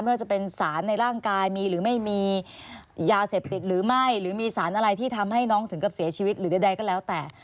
ไม่ว่าจะเป็นสารในร่างกายมีหรือไม่มียาเสพติดหรือไม่หรือมีสารอะไรที่ทำให้น้องถึงกับเสียชีวิตหรือใดก็แล้วแต่